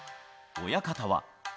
親方は。